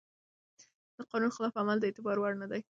د قانون خلاف عمل د اعتبار وړ نه دی.